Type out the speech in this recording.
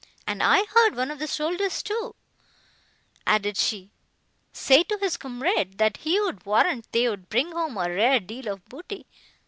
"And I heard one of the soldiers, too," added she, "say to his comrade, that he would warrant they'd bring home a rare deal of booty.